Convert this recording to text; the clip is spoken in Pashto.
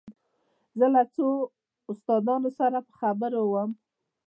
زه له څو استادانو سره په خبرو وم.